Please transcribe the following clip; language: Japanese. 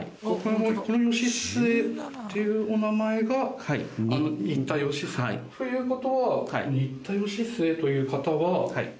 この義季っていうお名前が新田義季。という事は新田義季という方は。